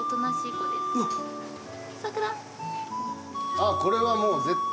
アッこれはもう絶対。